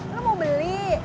lo mau beli